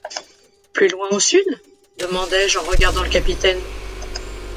Plus loin au sud ? demandai-je en regardant le capitaine.